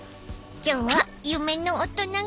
［今日は夢の大人食い］